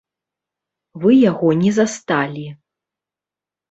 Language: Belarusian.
Вы яго не засталі.